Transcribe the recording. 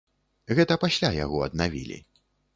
Гэта пасля яго аднавілі.